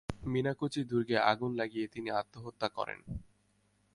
মিনাকুচি দুর্গে আগুন লাগিয়ে তিনি আত্মহত্যা করেন।